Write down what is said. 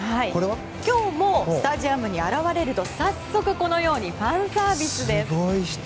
今日もスタジアムに現れると早速、このようにファンサービスです。